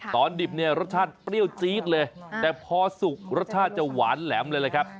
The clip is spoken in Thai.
ดิบเนี่ยรสชาติเปรี้ยวจี๊ดเลยแต่พอสุกรสชาติจะหวานแหลมเลยแหละครับ